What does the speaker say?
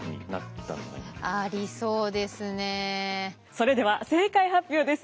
それでは正解発表です。